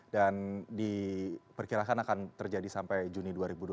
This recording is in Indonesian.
dan diperkirakan akan terjadi sampai juni dua ribu dua puluh dua